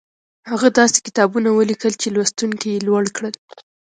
هغه داسې کتابونه وليکل چې لوستونکي يې لوړ کړل.